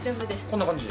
こんな感じ。